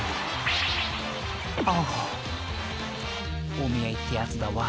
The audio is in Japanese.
［お見合いってやつだわ。